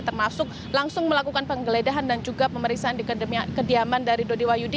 termasuk langsung melakukan penggeledahan dan juga pemeriksaan di kediaman dari dodi wahyudi